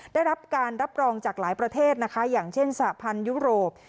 ได้รับการรับรองจากหลายประเทศนะคะอย่างเช่นสหพันธ์ยุโรป